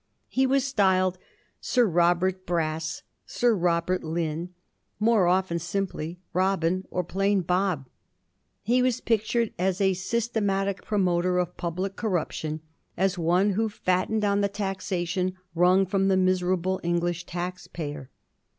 He was styled Sir Robert Brass, Sir Robert Lynn, more often simple * Robin ' or plain ' Bob.' He was pictured as a systematic promoter of public corruption, as one who fattened on the taxation wrung from the miserable English taxpayer.